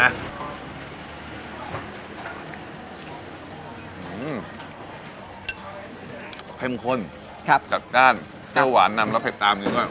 อืมเข้มข้นครับจัดจ้านเปรี้ยวหวานนำแล้วเผ็ดตามอยู่ด้วย